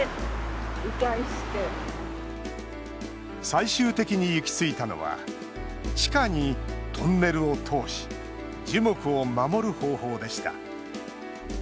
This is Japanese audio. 最終的に行き着いたのは地下にトンネルを通し樹木を守る方法でした。